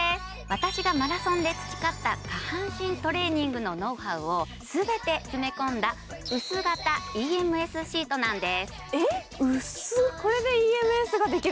私がマラソンで培った下半身トレーニングのノウハウを全て詰め込んだ薄型ＥＭＳシートです